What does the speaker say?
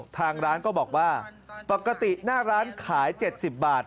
ทางร้านก็บอกว่าปกติหน้าร้านขาย๗๐บาท